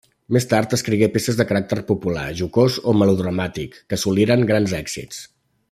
Més tard escrigué peces de caràcter popular, jocós o melodramàtic, que assoliren grans èxits.